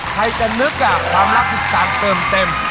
ใครจะนึกความรักคือการเติมเต็ม